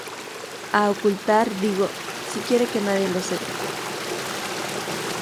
a ocultar digo. si quiere que nadie lo sepa.